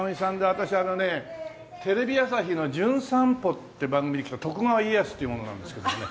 私あのねテレビ朝日の『じゅん散歩』っていう番組で来た徳川家康っていう者なんですけどもね。